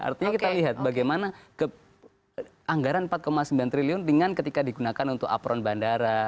artinya kita lihat bagaimana anggaran empat sembilan triliun dengan ketika digunakan untuk apron bandara